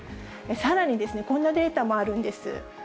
さらに、こんなデータもあるんです。